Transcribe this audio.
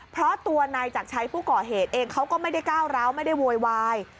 เพราะตัวนายจักรชัยผู้ก่อเหตุเองเขาก็ไม่ได้ก้าวร้าวไม่ได้โวยวาย